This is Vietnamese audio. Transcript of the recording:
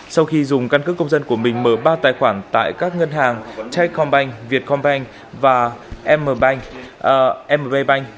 sau khi dùng căn cứ công dân của mình mở ba tài khoản tại các ngân hàng